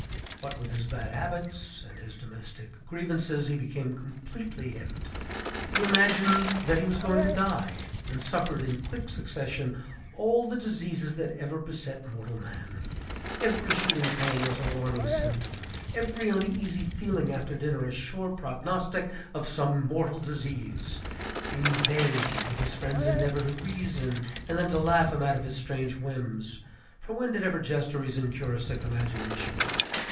What with his bad habits and his domestic grievances, he became completely hipped. He imagined that he was going to die; and suffered in quick succession all the diseases that ever beset mortal man. Every shooting pain was an alarming symptom, every uneasy feeling after dinner a sure prognostic of some mortal disease. In vain did his friends endeavor to reason, and then to laugh him out of his strange whims; for when did ever jest or reason cure a sick imagination?